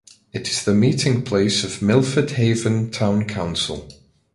It is the meeting place of Milford Haven Town Council.